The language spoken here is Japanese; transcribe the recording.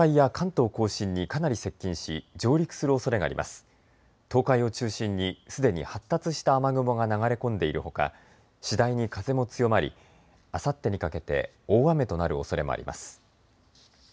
東海を中心にすでに発達した雨雲が流れ込んでいるほか次第に風も強まりあさってにかけて大雨となるおそれもあります。